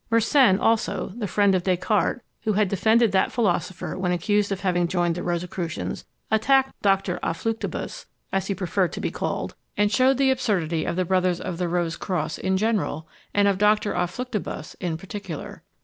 Mersenne also, the friend of Descartes, and who had defended that philosopher when accused of having joined the Rosicrucians, attacked Dr. à Fluctibus, as he preferred to be called, and shewed the absurdity of the brothers of the Rose cross in general, and of Dr. à Fluctibus in particular.